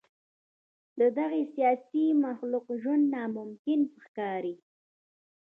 د دغه سیاسي مخلوق ژوند ناممکن ښکاري.